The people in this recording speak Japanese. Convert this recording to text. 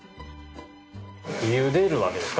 茹でるわけですか？